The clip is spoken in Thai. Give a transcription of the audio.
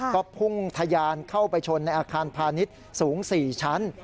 ก็พุ่งทะยานเข้าไปชนในอาคารพาณิชย์สูง๔ชั้น